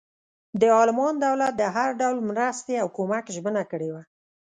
د المان دولت د هر ډول مرستې او کمک ژمنه کړې وه.